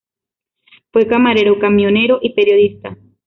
Fue camarero, camionero y periodista.